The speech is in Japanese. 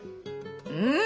うん！